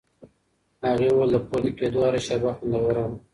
هغې وویل د پورته کېدو هره شېبه خوندوره وه.